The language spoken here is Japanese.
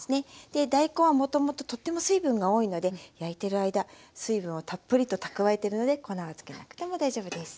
で大根はもともととっても水分が多いので焼いてる間水分をたっぷりと蓄えてるので粉はつけなくても大丈夫です。